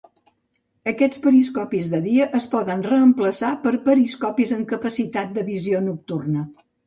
Aquests periscopis de dia es poden reemplaçar per periscopis amb capacitat de visió nocturna.